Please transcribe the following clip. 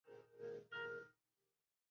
তোমার রক্ষী হয়ে থাকব।